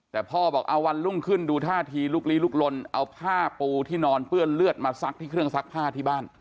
แต่พ่อบอกเอาวันรุ่งขึ้นดูท่าทีลุกลีลุกลนเอาผ้าปูที่นอนเปื้อนเลือดมาซักที่เครื่องซักผ้าที่บ้าน